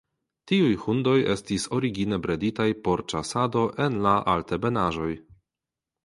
Tiuj hundoj estis origine breditaj por ĉasado en la Altebenaĵoj.